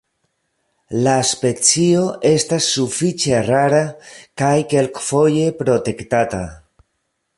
La specio estas sufiĉe rara kaj kelkfoje protektata.